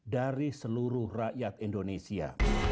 dari seluruh rakyat indonesia